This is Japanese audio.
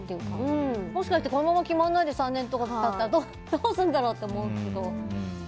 もしかしたらこのまま決まらないで３年とかなったらどうするんだろうって思うんだけど。